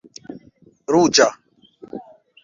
ruĝa